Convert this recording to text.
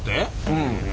うん。